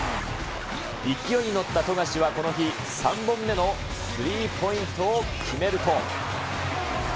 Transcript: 勢いに乗った富樫はこの日、３本目のスリーポイントを決めると。